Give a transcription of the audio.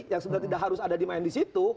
yang sebenarnya tidak harus ada di main disitu